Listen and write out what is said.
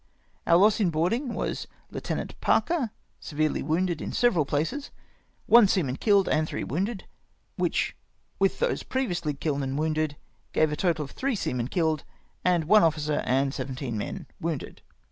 Our loss in boarding was Lieutenant Parker, severely wounded in several places, one seaman killed and three wounded, which with those previously killed and wounded gave a total of three seamen killed, and one officer and seventeen men wounded.